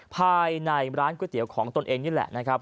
ภายในร้านก๋วยเตี๋ยวของตนเองนี่แหละนะครับ